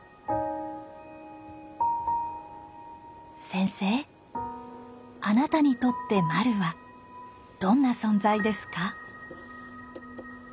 センセイあなたにとってまるはどんな存在ですか。